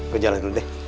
gue jalan dulu deh